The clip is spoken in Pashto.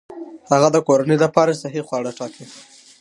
هغه د کورنۍ لپاره صحي خواړه ټاکي.